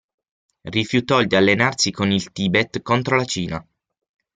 Rifiutò di allearsi con il Tibet contro la Cina.